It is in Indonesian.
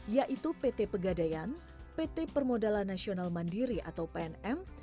yaitu pt pegadaian pt permodalan nasional mandiri atau pnm